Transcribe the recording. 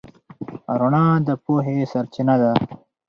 رڼا د پوهې سرچینه ده.